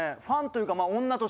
ファンというか。